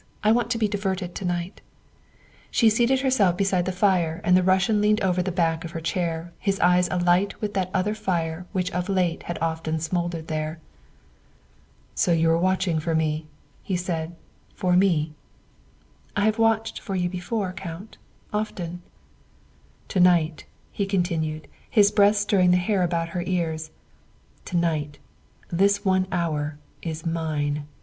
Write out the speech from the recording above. I want to be diverted to night." She seated herself beside the fire and the Eussian leaned over the back of her chair, his eyes alight with that other fire which of late had often smouldered there. '' So you were watching for me, '' he said '' for me. ''" I have watched for you before, Count often." " To night," he continued, his breath stirring the hair about her ears, " to night, this one hour, is mine.